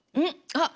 あっ。